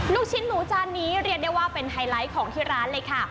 ลูกชิ้นหมูจานนี้เรียกได้ว่าเป็นไฮไลท์ของที่ร้านเลยค่ะ